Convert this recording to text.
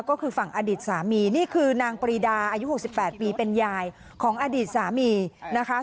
ก็คือฝั่งอดีตสามีนี่คือนางปรีดาอายุ๖๘ปีเป็นยายของอดีตสามีนะคะ